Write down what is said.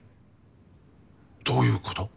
どういうこと？